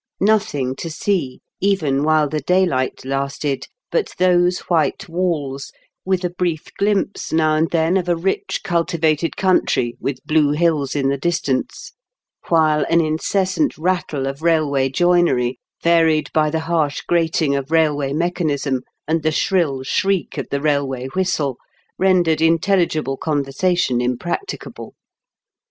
Nothing to see, even while the daylight lasted, but those white walls, with a brief glimpse now and then of a rich cultivated country, with blue hills in the distance ; while an incessant rattle of railway joinery, varied by the harsh grating of railway mechanism and the shrill shriek of the railway whistle, rendered intelligible conversation impracticable.